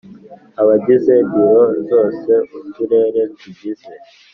Abagize Biro zose z Uturere tugize